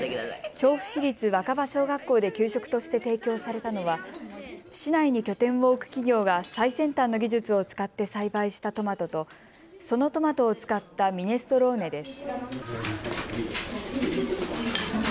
調布市立若葉小学校で給食として提供されたのは市内に拠点を置く企業が最先端の技術を使って栽培したトマトとそのトマトを使ったミネストローネです。